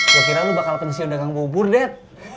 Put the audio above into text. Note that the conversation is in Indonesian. gue kira lo bakal pengisian dagang bau burdet